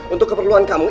untuk keperluan kamu